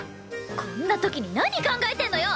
こんな時に何考えてんのよ！